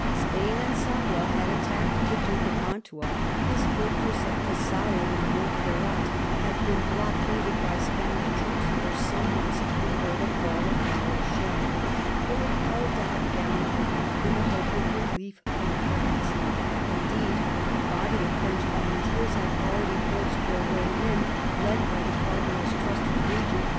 Spain and Savoy had attacked the Duke of Mantua ; his fortress of Casale in Montferrat had been blockaded by Spanish troops for some months before the fall of La Rochelle, but had held out gallantly in the hope of relief from France ; indeed, a body of French volunteers had already forced their way in, led by the Cardinal's trusted agent, M.